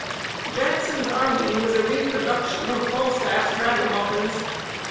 Jackson's army was a reproduction of Falstaff's ragamuffins.